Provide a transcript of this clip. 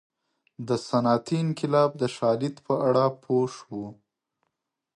د صنعتي انقلاب د شالید په اړه پوه شو.